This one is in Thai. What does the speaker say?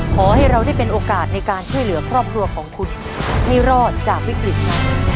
ขอให้เราได้เป็นโอกาสในการช่วยเหลือครอบครัวของคุณให้รอดจากวิกฤตนั้น